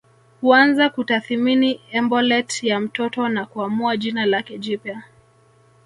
Huanza kutathimini embolet ya mtoto na kuamua jina lake jipya